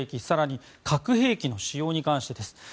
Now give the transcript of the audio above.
更に核兵器の使用に関してです。